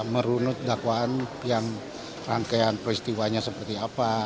merunut dakwaan yang rangkaian peristiwanya seperti apa